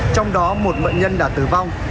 trong đó một bệnh nhân đã tử vong